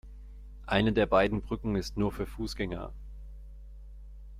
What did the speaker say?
Eine der beiden Brücken ist nur für Fußgänger.